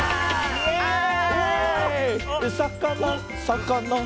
イエーイ！